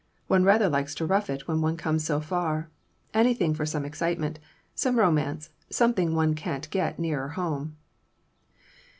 One rather likes to rough it when one comes so far. Anything for some excitement, some romance, something one can't get nearer home!"